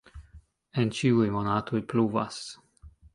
En ĉiuj monatoj pluvas.